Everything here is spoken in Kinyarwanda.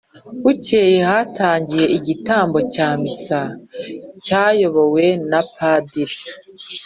bukeye hatangiye igitambo cya missa; cyayobowe na padiri